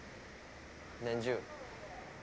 年中。